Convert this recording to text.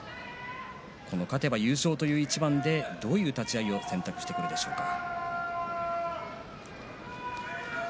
勝てば優勝という一番でどういう立ち合いを選択してくるんでしょうか。